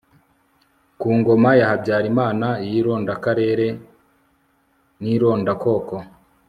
ku ngoma ya habyarimana y'irondakarere n'irondakoko